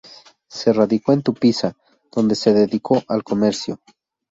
Se radicó en Tupiza, donde se dedicó al comercio.